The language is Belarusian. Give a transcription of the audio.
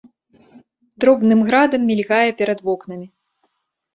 Дробным градам мільгае перад вокнамі.